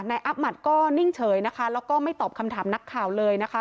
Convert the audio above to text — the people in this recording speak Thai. อับหัดก็นิ่งเฉยนะคะแล้วก็ไม่ตอบคำถามนักข่าวเลยนะคะ